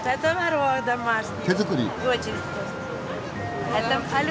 手作り。